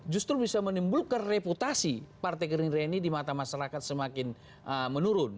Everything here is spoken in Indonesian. justru bisa menimbulkan reputasi partai gerindra ini di mata masyarakat semakin menurun